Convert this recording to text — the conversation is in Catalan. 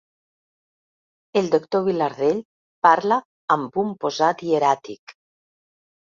El doctor Vilardell parla amb un posat hieràtic.